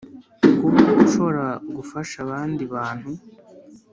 kuba ushobora gufasha abandi bantu